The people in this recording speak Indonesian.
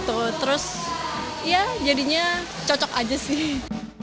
terus ya jadinya cocok aja sih